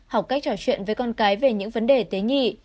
học cách trò chuyện với con cái về những vấn đề tế nghị